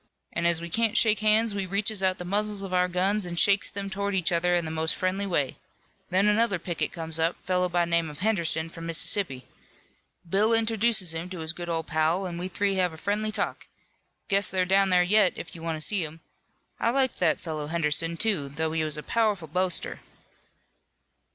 An' as we can't shake hands we reaches out the muzzles of our guns and shakes them towards each other in the most friendly way. Then another picket comes up, fellow by name of Henderson, from Mississippi. Bill introduces him to his good old pal, an' we three have a friendly talk. Guess they're down there yet, if you want to see 'em. I liked that fellow, Henderson, too, though he was a powerful boaster."